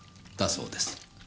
だそうです。